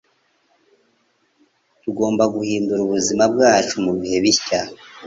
Tugomba guhindura ubuzima bwacu mubihe bishya